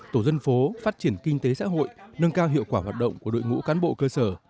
tổ dân phố phát triển kinh tế xã hội nâng cao hiệu quả hoạt động của đội ngũ cán bộ cơ sở